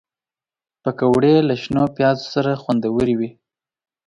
پکورې له شنو پیازو سره خوندورې وي